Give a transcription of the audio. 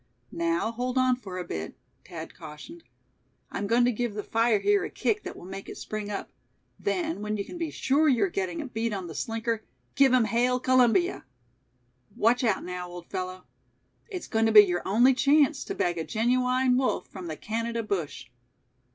"Now, hold on for a bit," Thad cautioned. "I'm going to give the fire here a kick that will make it spring up. Then, when you can be sure you're getting a bead on the slinker, give him Hail Columbia. Watch out, now, old fellow. It's going to be your only chance to bag a genuine wolf from the Canada bush."